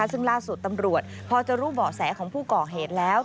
ซึ่งล่าสุดตำรวจพอจะรู้เบาะแสของผู้ก่อเหตุแล้ว